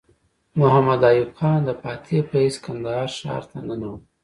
محمد ایوب خان د فاتح په حیث کندهار ښار ته ننوت.